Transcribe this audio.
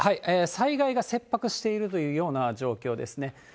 災害が切迫しているというような状況ですね。